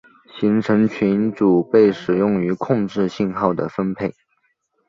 行程群组被使用于控制信号的分配。